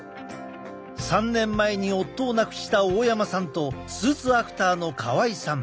３年前に夫を亡くした大山さんとスーツアクターの河合さん。